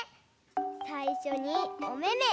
さいしょにおめめ。